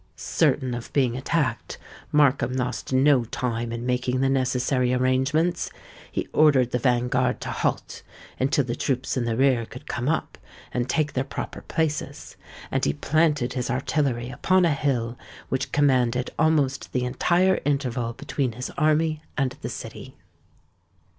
Certain of being attacked, Markham lost no time in making the necessary arrangements. He ordered the van guard to halt, until the troops in the rear could come up, and take their proper places; and he planted his artillery upon a hill which commanded almost the entire interval between his army and the city.